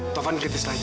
taufan kritis lagi